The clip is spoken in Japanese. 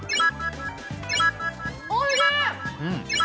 おいしい！